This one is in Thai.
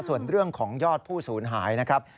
ส่วนเรื่องของยอดผู้สูญหายนะครับ